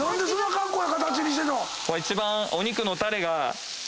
一番。